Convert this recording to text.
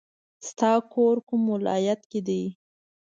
د تا کور کوم ولایت کې ده